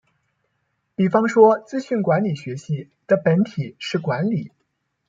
比方說「資訊管理學系」的本體是管理